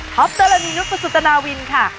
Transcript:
ท็อปเตอร์ละนีนุภประสุทธนาวินค่ะ